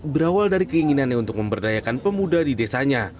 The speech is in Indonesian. berawal dari keinginannya untuk memberdayakan pemuda di desanya